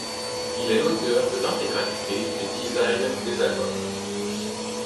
Il est l'auteur de l'intégralité des designs des albums.